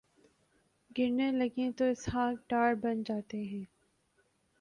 گرنے لگیں تو اسحاق ڈار بن جاتے ہیں۔